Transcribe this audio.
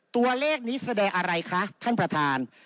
ตัวเลขนี้แสดงอะไรคะท่านประธาน